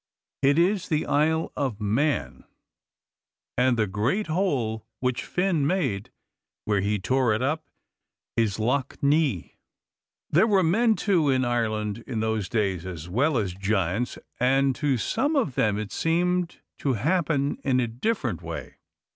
It is the Isle of Mann, and the great hole which Finn made, where he tore it up, is Lough Neagh. There were men, too, in Ireland in those days as well as giants, and to some of them it seemed to happen in a different way.